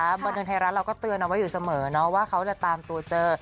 อันนึงไทยรัฐเราก็เตือนว่าอยู่เสมอนะว่าเขาจะตามตัวเจอ